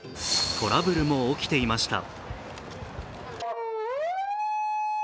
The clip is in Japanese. トラブルも起きていました。